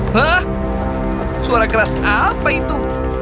hah suara keras apa itu